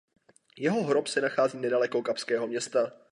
Jeho hrob se nachází nedaleko Kapského Města.